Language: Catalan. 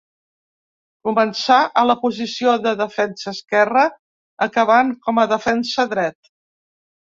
Començà a la posició de defensa esquerre, acabant com a defensa dret.